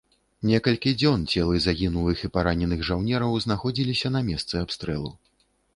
Некалькі дзён целы загінулых і параненых жаўнераў знаходзіліся на месцы абстрэлу.